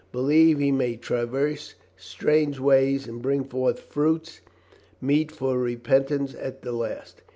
Believe he may traverse strange ways and bring forth fruits meet for repentance at the last.